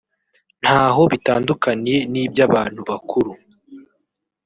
ntaho bitandukaniye n’iby’abantu bakuru